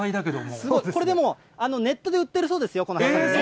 これでもう、ネットで売ってるそうですよ、このはさみ。